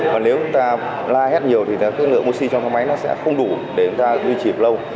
và nếu ta la hét nhiều thì cái lượng oxy trong thang máy nó sẽ không đủ để người ta duy trì lâu